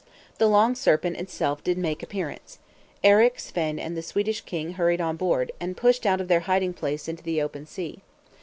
The Long Serpent itself did make appearance. Eric, Svein, and the Swedish king hurried on board, and pushed out of their hiding place into the open sea.